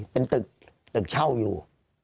เป็นตึกเช่าอยู่